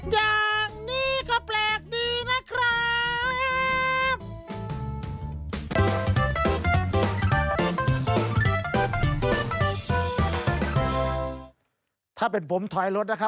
อย่างนี้ก็แปลกดีนะครับ